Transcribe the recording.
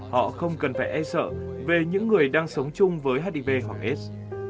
họ không cần phải e sợ về những người đang sống chung với hiv hoặc aids